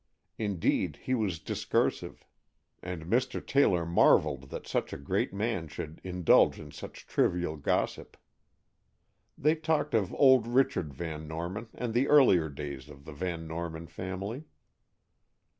Indeed he was discursive, and Mr. Taylor marvelled that such a great man should indulge in such trivial gossip. They talked of old Richard Van Norman and the earlier days of the Van Norman family.